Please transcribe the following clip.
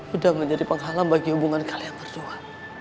udah menjadi penghalang bagi hubungan kalian berdua